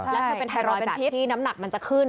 และเธอเป็นไทรอยด์แบบที่น้ำหนักมันจะขึ้น